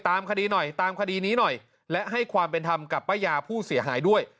คดีหน่อยตามคดีนี้หน่อยและให้ความเป็นธรรมกับป้ายาผู้เสียหายด้วย